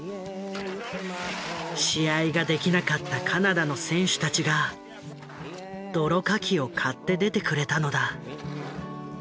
試合ができなかったカナダの選手たちが泥かきを買って出てくれたのだ。